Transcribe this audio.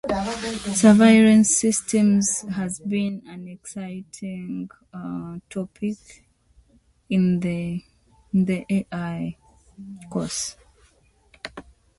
State Street Global Advisors has long engaged companies on issues of corporate governance.